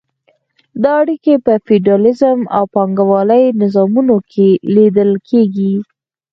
دا اړیکې په فیوډالیزم او پانګوالۍ نظامونو کې لیدل کیږي.